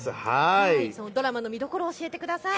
ドラマの見どころを教えてください。